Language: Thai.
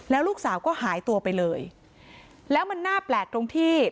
แล้วลูกสาวก็หายตัวไปเลยแล้วมันน่าแปลกตรงที่